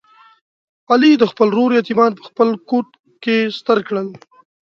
علي د خپل ورور یتیمان په خپل کوت کې ستر کړل.